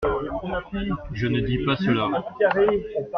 Je ne dis pas cela…